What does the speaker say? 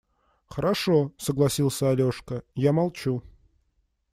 – Хорошо, – согласился Алешка, – я молчу.